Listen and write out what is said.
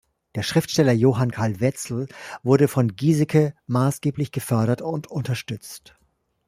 Der Schriftsteller Johann Karl Wezel wurde von Giseke maßgeblich gefördert und unterstützt.